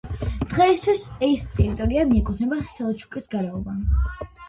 დღეისთვის ეს ტერიტორია მიეკუთვნება სელჩუკის გარეუბანს.